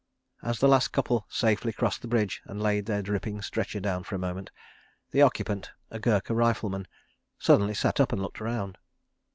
As the last couple safely crossed the bridge and laid their dripping stretcher down for a moment, the occupant, a Gurkha rifleman, suddenly sat up and looked round.